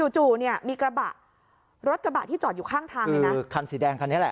จู่มีรถกระบะที่จอดอยู่ข้างทางคันสีแดงคันนี้แหละ